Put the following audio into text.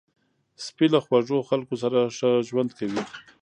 سپي له خوږو خلکو سره ښه ژوند کوي.